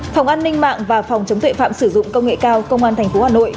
phòng an ninh mạng và phòng chống tuệ phạm sử dụng công nghệ cao công an tp hà nội